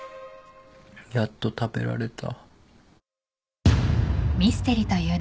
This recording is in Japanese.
やっと食べられた。